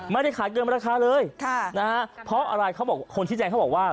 ไม่ได้ขายเกินราคาเลยค่ะนะฮะเพราะอะไรเขาบอกคนที่แจ้งเขาบอกว่า